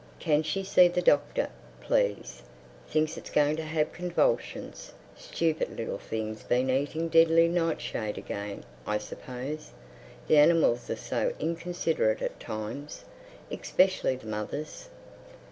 Can she see the Doctor, please!—Thinks it's going to have convulsions. Stupid little thing's been eating Deadly Nightshade again, I suppose. The animals are so inconsiderate at times—especially the mothers.